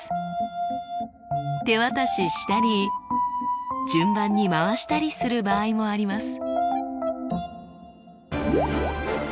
手渡ししたり順番に回したりする場合もあります。